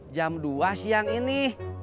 jam dua siang ini